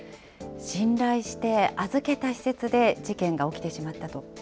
信頼して預けた施設で事件が起きてしまったと。